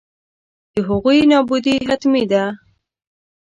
د هغوی نابودي حتمي ده.